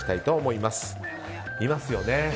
いますよね。